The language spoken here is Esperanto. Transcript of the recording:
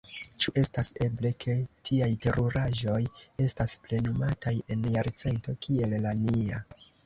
Ĉu estas eble, ke tiaj teruraĵoj estas plenumataj en jarcento kiel la nia!